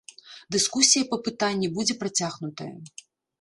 Дыскусія па пытанні будзе працягнутая.